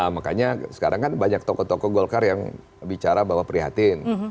makanya sekarang kan banyak tokoh tokoh golkar yang bicara bahwa prihatin